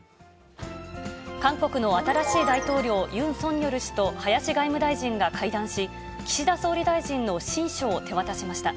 韓国の新しい大統領、ユン・ソンニョル氏と林外務大臣が会談し、岸田総理大臣の親書を手渡しました。